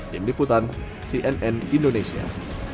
tim liputan cnn indonesia